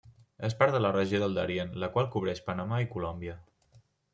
És part de la regió del Darién, la qual cobreix Panamà i Colòmbia.